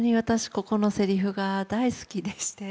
ここのセリフが大好きでして。